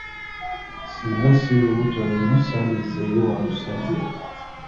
Singa si lubuto luno, sandizzeeyo wa musajja.